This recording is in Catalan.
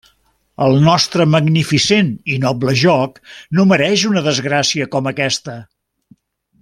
El nostre magnificent i noble joc no mereix una desgràcia com aquesta.